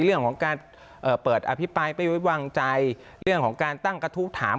เรื่องของการเปิดอภิปรายไม่ไว้วางใจเรื่องของการตั้งกระทู้ถาม